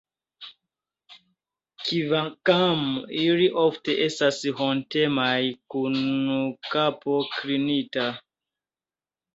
Kvankam ili ofte estas hontemaj, kun kapo klinita.